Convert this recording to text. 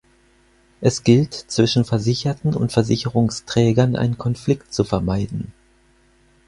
Es gilt, zwischen Versicherten und Versicherungsträgern einen Konflikt zu vermeiden.